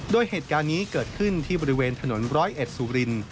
โดยเหตุการณ์นี้เกิดขึ้นที่บริเวณถนนร้อยเอ็ดสุริน